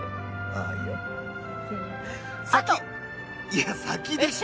いや先でしょ！